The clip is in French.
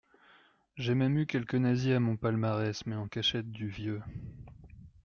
J’ai même eu quelques nazis à mon palmarès, mais en cachette du vieux